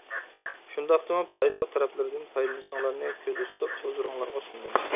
شۇنداقتىمۇ پايدىلىق تەرەپلىرىدىن پايدىلىنىشىڭلارنى كۆزدە تۇتۇپ ھۇزۇرۇڭلارغا سۇندۇم.